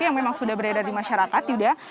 yang memang sudah beredar di masyarakat yuda